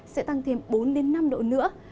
sẽ tăng thêm bốn năm độ nữa